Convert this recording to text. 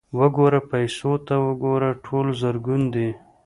_وګوره، پيسو ته وګوره! ټول زرګون دي.